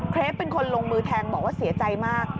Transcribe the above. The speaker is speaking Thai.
เป็นคนลงมือแทงบอกว่าเสียใจมาก